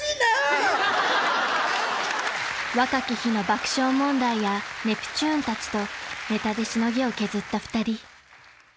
［若き日の爆笑問題やネプチューンたちとネタでしのぎを削った２人］